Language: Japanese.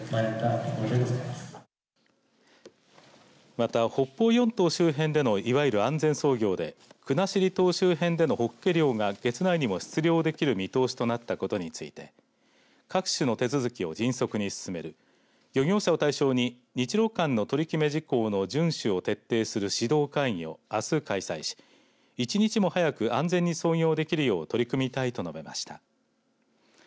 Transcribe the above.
また、北方四島周辺でのいわゆる安全操業で国後島周辺でのホッケ漁が月内にも出漁できる見通しとなったことについて各地の手続きを迅速に進める漁業者を対象に日ロ間の取り組み事項の順守を徹底する指導会議をあす開催し１日も早く安全に操業できるよう取り組みたいと述べました。